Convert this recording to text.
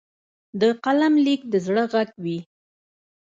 د قلم لیک د زړه غږ وي.